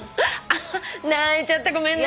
あ泣いちゃったごめんね。